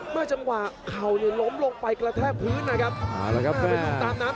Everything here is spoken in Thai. เมื่อจังหว่าเข่าเนี่ยล้มลงไปกระแทกพื้นนะครับอ๋อครับแม่ตามน้ำ